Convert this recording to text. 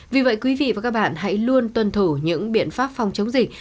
vì vậy quý vị và các bạn hãy luôn tuân thủ những biện pháp phòng chống dịch